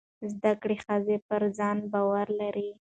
زده کړې ښځې پر ځان باور لري.